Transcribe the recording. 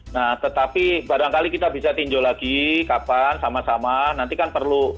nah tetapi barangkali kita bisa tinjau lagi kapan sama sama nanti kan perlu